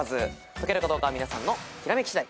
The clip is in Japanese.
解けるかどうかは皆さんのひらめき次第。